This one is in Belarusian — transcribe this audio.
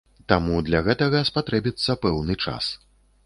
Таму для гэтага спатрэбіцца пэўны час.